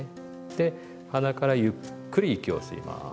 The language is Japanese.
で鼻からゆっくり息を吸います。